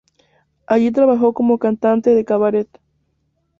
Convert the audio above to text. Allí trabajó como cantante de cabaret.